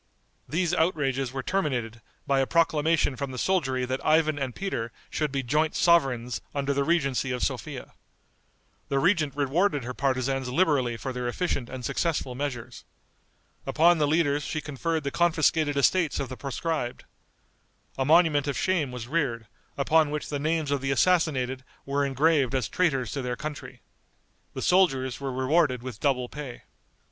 These outrages were terminated by a proclamation from the soldiery that Ivan and Peter should be joint sovereigns under the regency of Sophia. The regent rewarded her partisans liberally for their efficient and successful measures. Upon the leaders she conferred the confiscated estates of the proscribed. A monument of shame was reared, upon which the names of the assassinated were engraved as traitors to their country. The soldiers were rewarded with double pay.